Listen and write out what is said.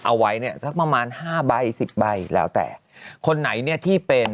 เอาไว้เนี่ยสักประมาณห้าใบสิบใบแล้วแต่คนไหนเนี่ยที่เป็น